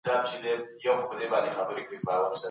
یو بل ته د مرستې لاس ورکړئ.